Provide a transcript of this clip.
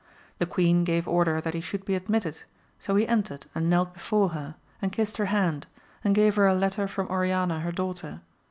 The queen gave order that he should be admitted, so he entered and knelt before her, and kissed her hand, and gave her a letter from Oriana her daughter.